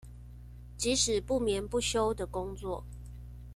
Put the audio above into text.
即使不眠不休的工作